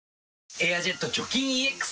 「エアジェット除菌ＥＸ」